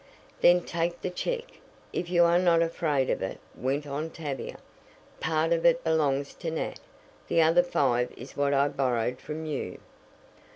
"Then take the check, if you are not afraid of it," went on Tavia. "Part of it belongs to Nat the other five is what I borrowed from you."